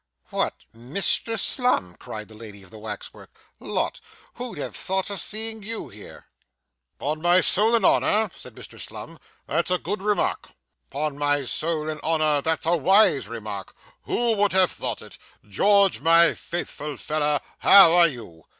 'What, Mr Slum!' cried the lady of the wax work. 'Lot! who'd have thought of seeing you here!' ''Pon my soul and honour,' said Mr Slum, 'that's a good remark. 'Pon my soul and honour that's a wise remark. Who would have thought it! George, my faithful feller, how are you?